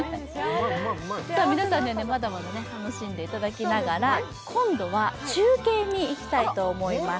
皆さん、まだまだ楽しんでいただきながら今度は中継にいきたいと思います。